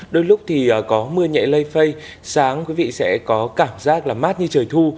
đôi lúc thì có mưa nhẹ lây phây sáng quý vị sẽ có cảm giác là mát như trời thu